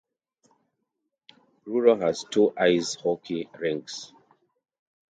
Truro has two ice hockey rinks.